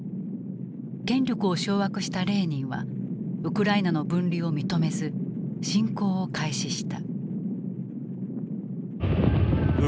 権力を掌握したレーニンはウクライナの分離を認めず侵攻を開始した。